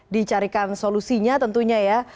dicarikan solusinya tentunya ya